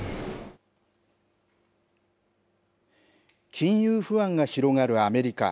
金融不安が広がるアメリカ。